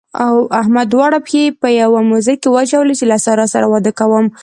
احمد دواړه پښې په يوه موزه کې واچولې چې له سارا سره واده کوم.